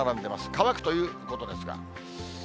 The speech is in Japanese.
乾くということですが。